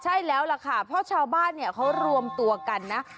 ใช่แล้วล่ะค่ะเพราะชาวบ้านเนี่ยเขารวมตัวกันนะ